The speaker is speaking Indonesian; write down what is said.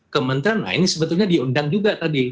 kementerian lain sebetulnya diundang juga tadi